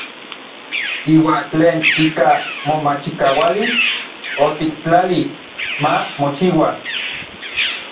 Iuan tlen ika momachikaualis otiktlalij ma mochiua.